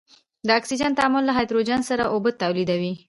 د اکسجن تعامل له هایدروجن سره اوبه تولیدیږي.